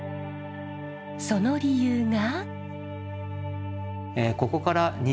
その理由が。